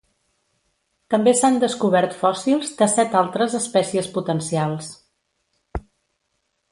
També s'han descobert fòssils de set altres espècies potencials.